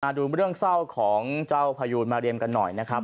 ดูเรื่องเศร้าของเจ้าพยูนมาเรียมกันหน่อยนะครับ